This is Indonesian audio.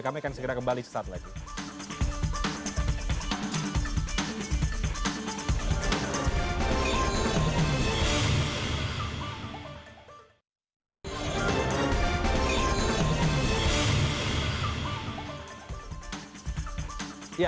kami akan segera kembali sesaat lagi